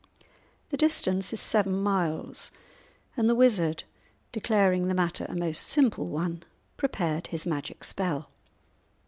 The distance is seven miles, and the wizard, declaring the matter a most simple one, prepared his magic spell.